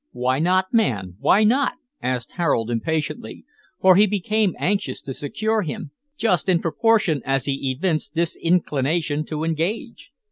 "Why not man why not?" asked Harold impatiently, for he became anxious to secure him, just in proportion as he evinced disinclination to engage.